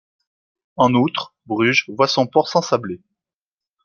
En outre, Bruges voit son port s'ensabler.